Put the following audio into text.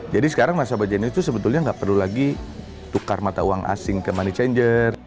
jadi sekarang nasabah genius itu sebetulnya tidak perlu lagi tukar mata uang asing ke money changer